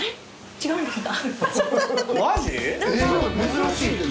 そうなんですか。